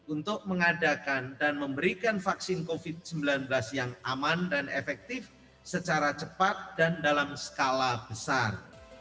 untuk mengadakan dan memberikan vaksin covid sembilan belas yang aman dan efektif secara cepat dan dalam skala besar